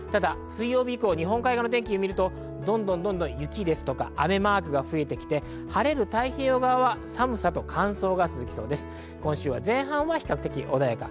水曜日以降、日本海側の天気を見ると、どんどん雪ですとか雨マークが増えてきて晴れる太平洋側は寒さと乾燥が続きそうです。